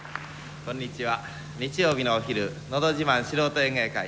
こんにちは、日曜日のお昼「のど自慢素人演芸会」。